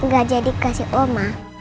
gak jadi kasih om